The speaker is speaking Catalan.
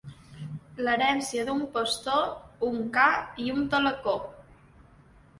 L'herència d'un pastor: un ca i un talecó.